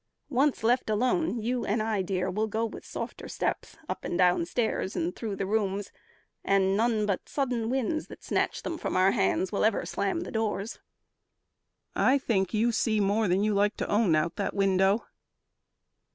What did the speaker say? Once left alone, You and I, dear, will go with softer steps Up and down stairs and through the rooms, and none But sudden winds that snatch them from our hands Will ever slam the doors." "I think you see More than you like to own to out that window."